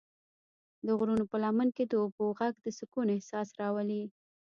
د غرونو پر لمن کې د اوبو غږ د سکون احساس راولي.